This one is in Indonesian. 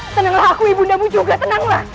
tenanglah aku ibu anda juga tenanglah